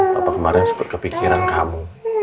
papa kemarin sempet kepikiran kamu